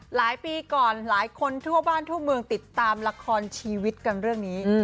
หลายปีก่อนหลายคนทั่วบ้านทั่วเมืองติดตามละครชีวิตกันเรื่องนี้